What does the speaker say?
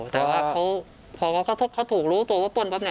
แต่ว่าเขาถูกรู้ตัวว่าปล้น